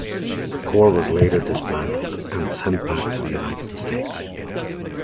The core was later dismantled and sent back to the United States.